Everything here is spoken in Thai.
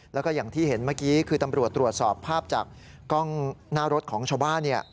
แล้วก็อย่างที่เห็นเมื่อกี้คือตำรวจตรวจสอบภาพจากกล้องหน้ารถของชาวบ้าน